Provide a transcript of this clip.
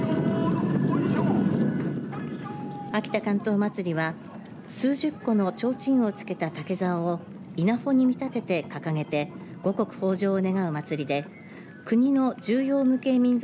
秋田竿燈まつりは数十個のちょうちんをつけた竹ざおを稲穂に見立てて掲げて五穀豊じょうを願う祭りで国の重要無形民俗